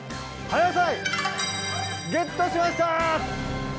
葉野菜ゲットしました！